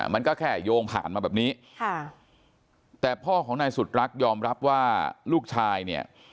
มันก็แค่โยงผ่านมาแบบนี้ค่ะแต่พ่อของนายสุดรักยอมรับว่าลูกชายเนี่ย